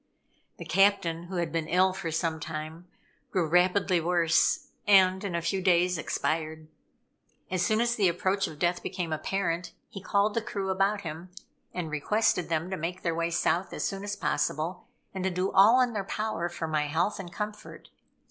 The captain, who had been ill for some time, grew rapidly worse, and in a few days expired. As soon as the approach of death became apparent, he called the crew about him, and requested them to make their way south as soon as possible, and to do all in their power for my health and comfort.